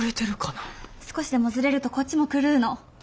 少しでもずれるとこっちも狂うの。